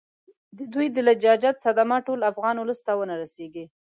د دوی د لجاجت صدمه ټول افغان اولس ته ونه رسیږي.